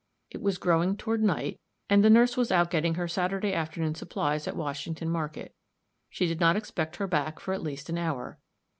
It was growing toward night, and the nurse was out getting her Saturday afternoon supplies at Washington Market; she did not expect her back for at least an hour.